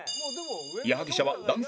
矢作舎は男性